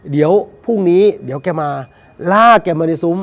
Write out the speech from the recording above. เกี่ยวกันทันทีนี้เดี๋ยวแกมาลากแกมานี่ซุ้ม